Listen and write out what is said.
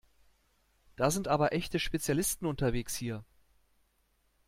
Da sind aber echte Spezialisten unterwegs hier!